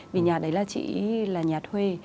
vì nhà đấy là chị ý là nhà thuê